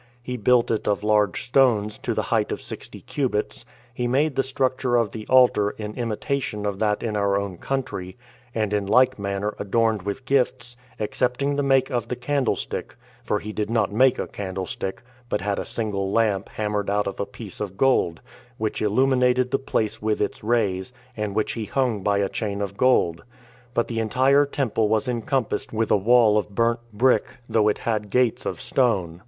He built it of large stones to the height of sixty cubits; he made the structure of the altar in imitation of that in our own country, and in like manner adorned with gifts, excepting the make of the candlestick, for he did not make a candlestick, but had a [single] lamp hammered out of a piece of gold, which illuminated the place with its rays, and which he hung by a chain of gold; but the entire temple was encompassed with a wall of burnt brick, though it had gates of stone.